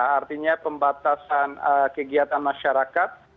artinya pembatasan kegiatan masyarakat